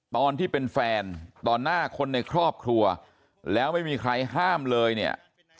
ตอนที่เป็นแฟนต่อหน้าคนในครอบครัวแล้วไม่มีใครห้ามเลยเนี่ย